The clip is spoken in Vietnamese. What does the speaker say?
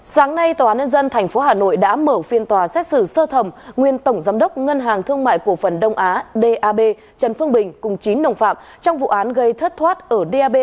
sáng nay tòa án nhân dân tp hà nội đã mở phiên tòa xét xử sơ thẩm nguyên tổng giám đốc ngân hàng thương mại cổ phần đông á d a b trần phương bình cùng chín nồng phạm trong vụ án gây thất thoát ở d a b